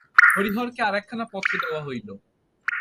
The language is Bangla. হরিহরকে আর একখানা পত্র দেওয়া হইল।